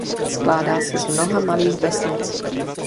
Skládá se z mnoha malých vesnic.